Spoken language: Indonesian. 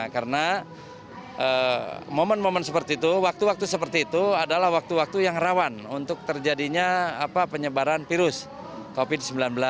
karena momen momen seperti itu waktu waktu seperti itu adalah waktu waktu yang rawan untuk terjadinya penyebaran virus covid sembilan belas